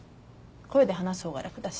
声で話す方が楽だし。